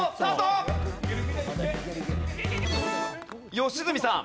良純さん。